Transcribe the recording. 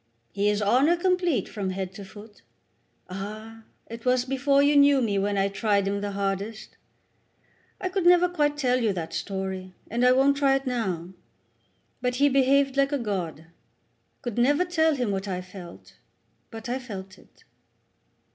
He is honour complete from head to foot. Ah, it was before you knew me when I tried him the hardest. I never could quite tell you that story, and I won't try it now; but he behaved like a god. I could never tell him what I felt, but I felt it."